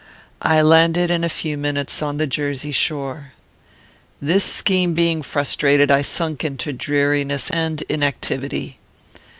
I landed in a few minutes on the Jersey shore. "This scheme being frustrated, I sunk into dreariness and inactivity.